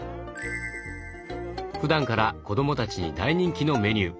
ふだんから子どもたちに大人気のメニュー。